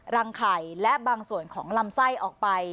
ไข่และบางส่วนของลำไส้ออกไป